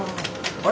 あれ？